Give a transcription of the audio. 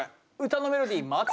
歌のメロディー松隈。